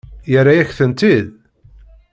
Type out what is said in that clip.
Yerra-yak-tent-id?